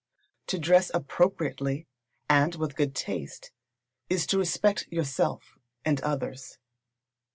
To dress appropriately, and with good taste, is to respect yourself and others.